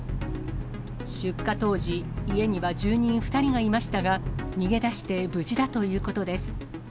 出火当時、家には住人２人がいましたが、逃げ出して無事だということです。